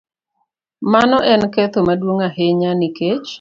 Mano en ketho maduong' ahinya nikech